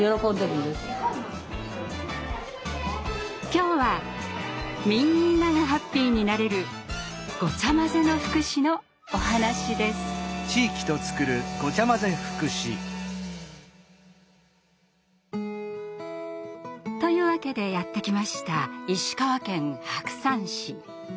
今日はみんながハッピーになれる「ごちゃまぜの福祉」のお話です。というわけでやって来ました石川県白山市。